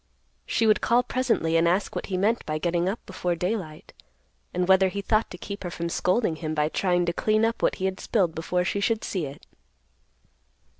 She would call presently and ask what he meant by getting up before daylight, and whether he thought to keep her from scolding him by trying to clean up what he had spilled before she should see it.